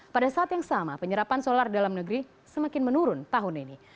pada saat yang sama penyerapan solar dalam negeri semakin menurun tahun ini